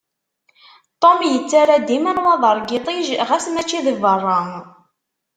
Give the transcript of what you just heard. Tom yettarra dima nnwaḍer n yiṭij, ɣas mačči deg berra.